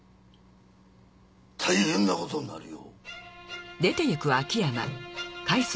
大変なことになるよ。